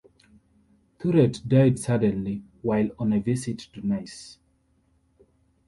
Thuret died suddenly, while on a visit to Nice.